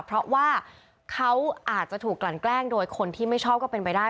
เพราะว่าเขาอาจจะถูกกลั่นแกล้งโดยคนที่ไม่ชอบก็เป็นไปได้